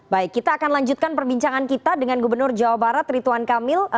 baik kita akan lanjutkan perbincangan kita dengan gubernur jawa barat rituan kamil